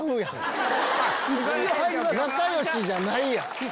仲良しじゃないやん！